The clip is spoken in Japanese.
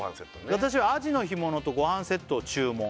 「私はあじのひものとごはんセットを注文」